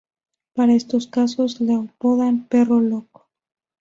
Para estos casos lo apodan "Perro Loco".